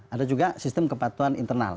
ada juga sistem kepatuan internal